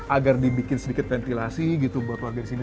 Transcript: agar dibikin sedikit ventilasi gitu buat warga di sini